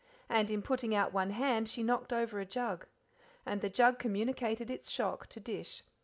And in putting out one hand she knocked over a jug. And the jug communicated its shock to dish.